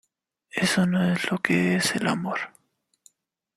Eso no es lo que es el amor.